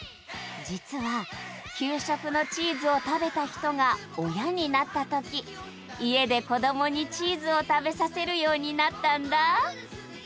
実は給食のチーズを食べた人が親になった時家で子供にチーズを食べさせるようになったんだ